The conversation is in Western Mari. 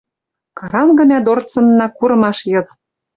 Карангы мӓ дорцынна курымаш йыд.